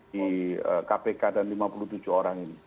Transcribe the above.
di kpk dan lima puluh tujuh orang ini